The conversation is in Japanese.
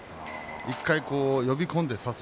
１回、呼び込んで差す。